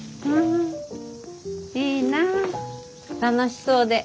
いいなぁ楽しそうで。